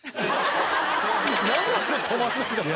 なんであれ止まんねえんだろう。